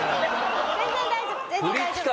全然大丈夫。